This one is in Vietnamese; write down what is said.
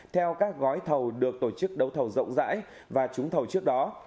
theo các gói thầu được tổ chức đấu thầu rộng rãi và trúng thầu trước đó